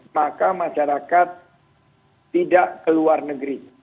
maka masyarakat tidak keluar negeri